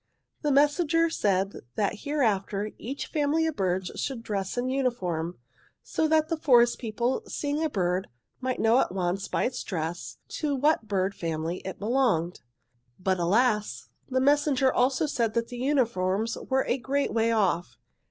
"'The messenger said that hereafter each family of birds should dress in uniform, so that the forest people, seeing a bird, might know at once, by its dress, to what bird family it belonged. "'But alas! the messenger also said that the uniforms were a great way off.